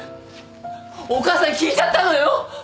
お母さん聞いちゃったのよ。